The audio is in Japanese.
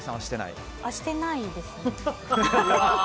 してないです。